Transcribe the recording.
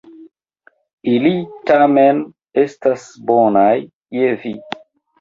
Ili tamen estas bonaj je vi.